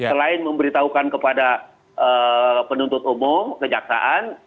selain memberitahukan kepada penuntut umum kejaksaan